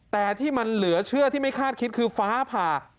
แต่ที่มันเหลือเชื่อที่ไม่คาดคิดคือฟ้าผ่า